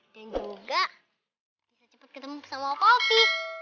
dan juga bisa cepat ketemu sama wokopi